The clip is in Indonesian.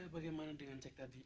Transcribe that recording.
bagaimana dengan cek tadi